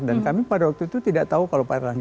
dan kami pada waktu itu tidak tahu kalau pak erlangga